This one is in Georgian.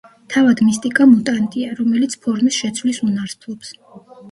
თავად მისტიკა მუტანტია, რომელიც ფორმის შეცვლის უნარს ფლობს.